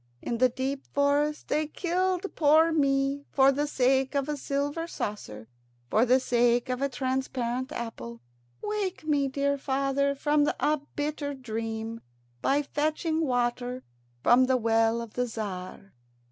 In the deep forest they killed poor me for the sake of a silver saucer, for the sake of a transparent apple. Wake me, dear father, from a bitter dream, by fetching water from the well of the Tzar."